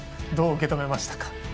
どう受け止めましたか？